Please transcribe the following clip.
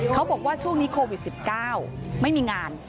เขาบอกว่าช่วงนี้โควิด๑๙ไม่มีงาน